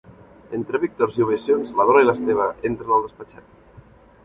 Entre víctors i ovacions la Dora i l'Esteve entren al despatxet.